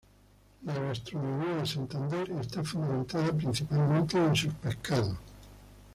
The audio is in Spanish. La gastronomía de Santander está fundamentada principalmente en sus pescados.